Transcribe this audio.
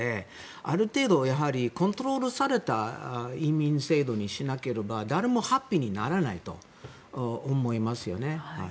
ある程度、コントロールされた移民制度にしなければ誰もハッピーにならないと思いますよね。